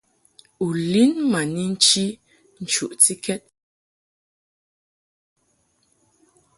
U lin ma ni nchi nchuʼtikɛd.